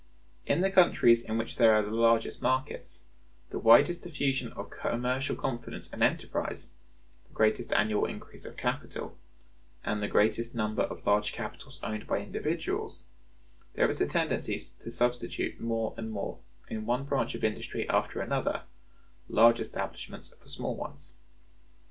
In the countries in which there are the largest markets, the widest diffusion of commercial confidence and enterprise, the greatest annual increase of capital, and the greatest number of large capitals owned by individuals, there is a tendency to substitute more and more, in one branch of industry after another, large establishments for small ones.